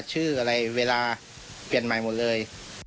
ชื่ออะไรเวลาเปลี่ยนใหม่หมดเลย